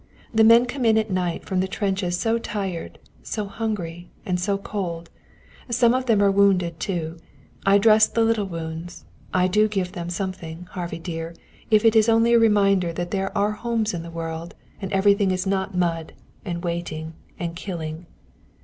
The men come in at night from the trenches so tired, so hungry and so cold. Some of them are wounded too. I dress the little wounds. I do give them something, Harvey dear if it is only a reminder that there are homes in the world, and everything is not mud and waiting and killing."